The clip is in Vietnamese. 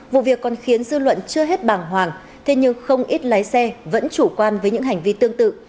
vụ việc còn khiến dư luận chưa hết bàng hoàng thế nhưng không ít lái xe vẫn chủ quan với những hành vi tương tự